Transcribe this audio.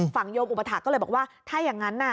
ฝั่งโยมอุบัติฐานก็เลยบอกว่าถ้าอย่างนั้น